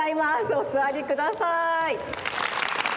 おすわりください。